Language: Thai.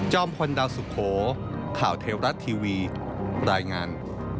พลดาวสุโขข่าวเทวรัฐทีวีรายงาน